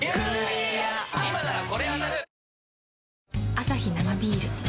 アサヒ生ビール